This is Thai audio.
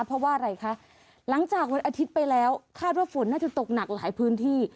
เพราะว่าอะไรคะหลังจากวันอาทิตย์ไปแล้วคาดว่าฝนน่าจะตกหนักหลายพื้นที่